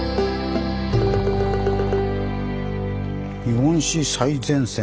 「日本史最前線！